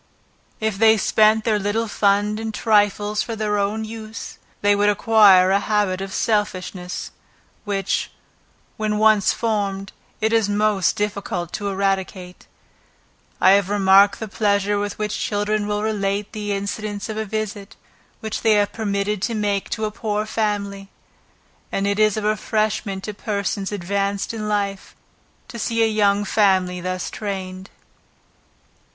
If they spent their little fund in trifles for their own use, they would acquire a habit of selfishness; which, when once formed, it is most difficult to eradicate. I have remarked the pleasure with which children will relate the incidents of a visit, which they have been permitted to make to a poor family; and it is a refreshment to persons advanced in life, to see a young family thus trained.